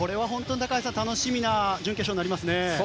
楽しみな準決勝になりますね。